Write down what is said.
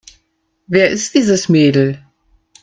Wer ist dieses Mädel?